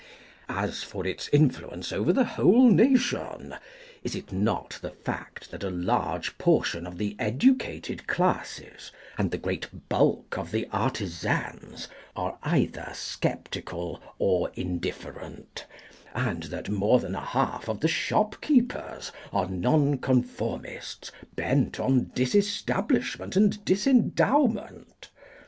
As for its influence over the whole nation, is it not the fact that a large portion of the educated classes, and the great bulk 01 the artisans, are either sceptical or indifferent, and that more than a half of the shopkeepers are Nonconformists bent on Disestablishment and Disendowment?